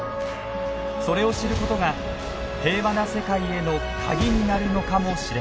それを知ることが平和な世界への鍵になるのかもしれません。